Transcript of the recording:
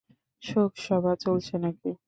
শোকসভা চলছে নাকি?